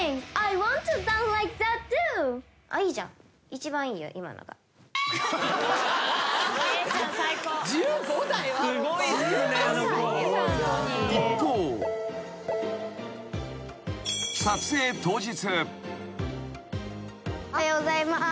［一方］おはようございます。